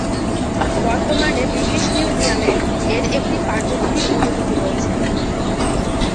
বর্তমানে ব্রিটিশ মিউজিয়াম-এ এর একটি পাণ্ডুলিপির অনুলিপি রয়েছে।